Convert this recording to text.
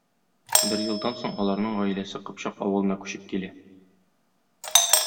Бер елдан соң аларның гаиләсе Кыпчак авылына күчеп килә.